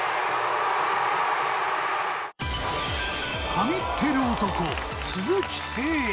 神ってる男鈴木誠也。